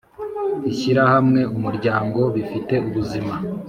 Ishyirahamwe umuryango bifite ubuzima